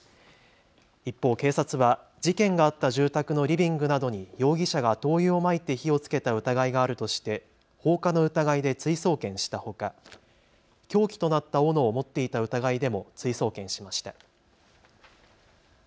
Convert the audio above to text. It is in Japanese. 一方、警察は事件があった住宅のリビングなどに容疑者が灯油をまいて火をつけた疑いがあるとして放火の疑いで追送検したほか凶器となったおのを持っていた疑いでも追送検しました。